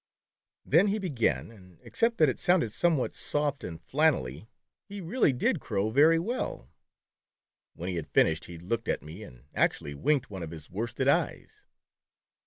Then he began, and except that it sounded somewhat soft and flannelly, he really did crow very well. When he had finished, he looked at me, and actually winked one of his worsted eyes